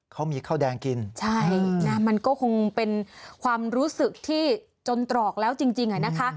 เขามีข้าวแดงกินใช่นะมันก็คงเป็นความรู้สึกที่จนตรอกแล้วจริงจริงอ่ะนะคะ